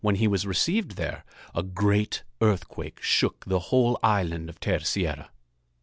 When he was received there a great earthquake shook the whole island of Terceira.